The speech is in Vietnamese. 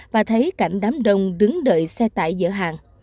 và thấy cảnh đám đông đứng đợi xe tải dỡ hàng